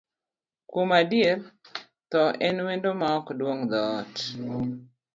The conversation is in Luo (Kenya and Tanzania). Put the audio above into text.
Kuom adier, thoo en wendo maok duong' dhoot.